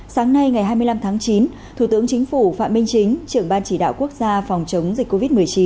sáng nay ngày hai mươi năm tháng chín thủ tướng chính phủ phạm minh chính trưởng ban chỉ đạo quốc gia phòng chống dịch covid một mươi chín